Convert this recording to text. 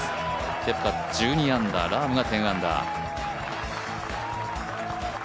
ケプカ１２アンダー、ラームが１０アンダー。